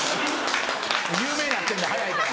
有名になってんだ速いから。